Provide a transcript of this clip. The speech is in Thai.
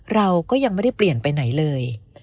เราก็ยังไม่ได้เปลี่ยนไปไหนเลย